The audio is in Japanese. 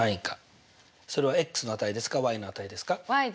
それはの値ですかの値でです。